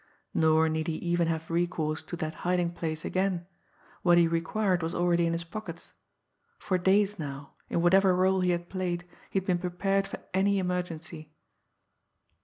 Nor need he even have recourse to that hiding place again what he required was already in his pockets for days now, in whatever role he had played, he had been prepared for any emergency.